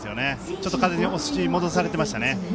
ちょっと風に押し戻されてましたね。